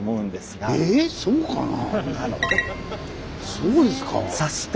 そうですか？